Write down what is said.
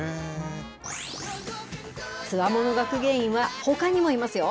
つわもの学芸員はほかにもいますよ。